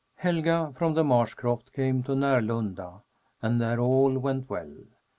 III Helga from the marsh croft came to Närlunda, and there all went well.